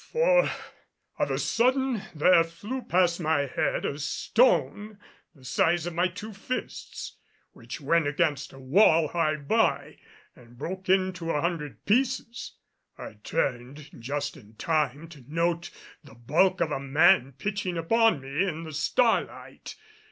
For, of a sudden, there flew past my head a stone the size of my two fists, which went against a wall hard by and broke into a hundred pieces. I turned just in time to note the bulk of a man pitching upon me in the starlight.